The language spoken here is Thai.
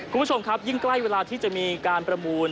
คุณผู้ชมครับยิ่งใกล้เวลาที่จะมีการประมูล